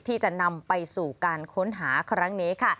ที่จะนำไปสู่การค้นหาครั้งนี้ค่ะ